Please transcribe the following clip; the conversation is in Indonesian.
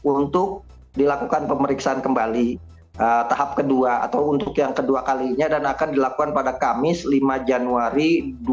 untuk dilakukan pemeriksaan kembali tahap kedua atau untuk yang kedua kalinya dan akan dilakukan pada kamis lima januari dua ribu dua puluh